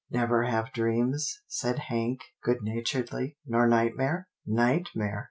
"" Never have dreams," said Hank good na turedly, " nor nightmare ?" "Nightmare!"